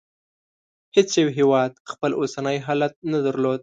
هېڅ یو هېواد خپل اوسنی حالت نه درلود.